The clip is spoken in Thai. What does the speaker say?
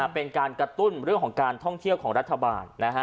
เป็นการกระตุ้นเรื่องของการท่องเที่ยวของรัฐบาล